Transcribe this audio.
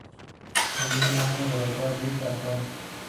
En el mismo año derrotó a Bill Alfonso.